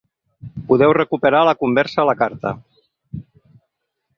Podeu recuperar la conversa a la carta.